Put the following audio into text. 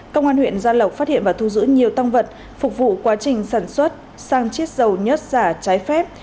công an huyện gia lộc phát hiện và thu giữ nhiều tăng vật phục vụ quá trình sản xuất sang chiết dầu nhất giả trái phép